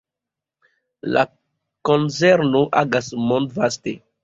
La konzerno agas mondvaste.